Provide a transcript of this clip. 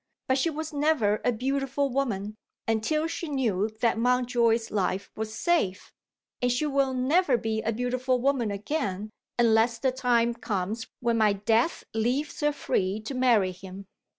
But she was never a beautiful woman, until she knew that Mountjoy's life was safe; and she will never be a beautiful woman again, unless the time comes when my death leaves her free to marry him.